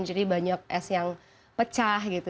jadi banyak es yang pecah gitu